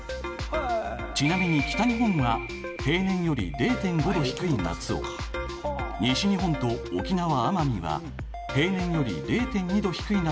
ちなみに北日本は平年より０．５℃低い夏を西日本と沖縄・奄美は平年より０．２℃低い夏を冷夏といいます。